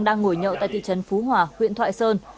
đang ngồi nhậu tại thị trấn phú hòa huyện thoại sơn